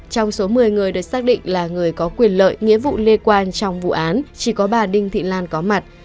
trong số một mươi người được xác định là người có quyền lợi nghĩa vụ liên quan trong vụ án chỉ có bà đinh thị lan có mặt